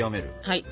はい。